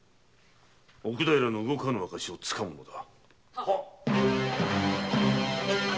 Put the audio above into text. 奥平の動かぬ証拠をつかむのだ。